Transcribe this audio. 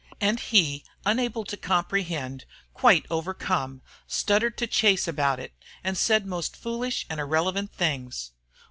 And he, unable to comprehend, quite overcome, stuttered to Chase about it, and said most foolish and irrelevant things.